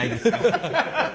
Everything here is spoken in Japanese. ハハハハ。